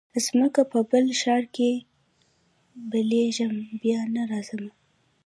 ځمه په بل ښار کي بلېږمه بیا نه راځمه